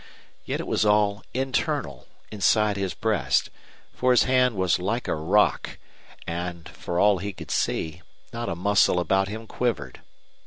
Yet it was all internal, inside his breast, for his hand was like a rock and, for all he could see, not a muscle about him quivered.